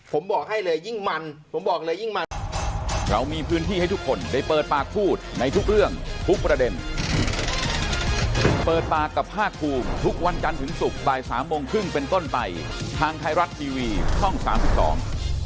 ผมบอกให้เลยยิ่งมัน